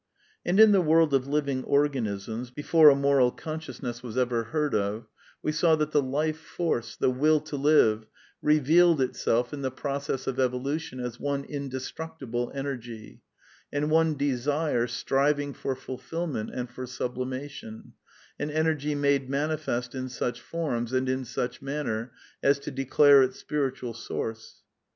And in the world of living organisms, before a moral CONCLUSIONS 293 consciousness was ever heard of, we saw that the Life Force, the Will to live, revealed itself in the process of evolution as one indestructible energy, and one desire striving for fulfilment and for sublimation, an energy made manifest in such forms and in such a manner as to declare its spiritual source.